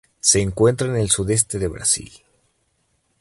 Se encuentra en el sudoeste de Brasil.